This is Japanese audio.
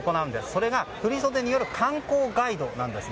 それが振り袖による観光ガイドなんです。